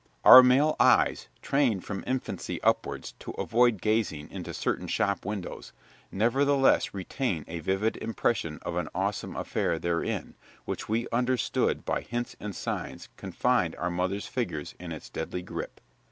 Our male eyes, trained from infancy upwards to avoid gazing into certain shop windows, nevertheless retain a vivid impression of an awesome affair therein, which we understood by hints and signs confined our mothers' figures in its deadly grip.